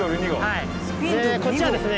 こっちはですね